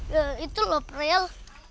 ya itu lho prel